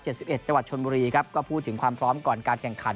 จังหวัดชนบุรีครับก็พูดถึงความพร้อมก่อนการแข่งขัน